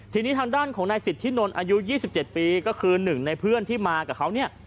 ทีนี้ทางด้านของนายสิทธินนท์อายุ๒๗ปีก็คือหนึ่งในเพื่อนที่มากับเขาเนี่ย